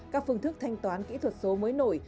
các phương thức thanh toán kỹ thuật số mới nổi